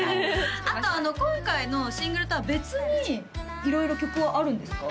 あとあの今回のシングルとは別に色々曲はあるんですか？